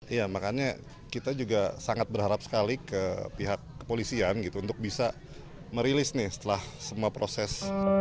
iya makanya kita juga sangat berharap sekali ke pihak kepolisian gitu untuk bisa merilis nih setelah semua proses